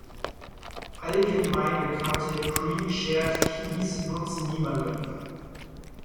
Allgemein bekannte Pre-shared keys nutzen niemandem.